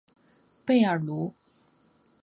贝尔卢。